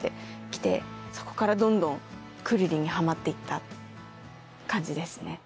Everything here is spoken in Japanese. そこからどんどんくるりにハマって行った感じですね。